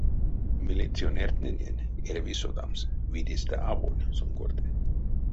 Милиционертнэнень эряви содамс, видестэ-аволь сон корты.